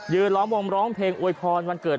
ล้อมวงร้องเพลงอวยพรวันเกิด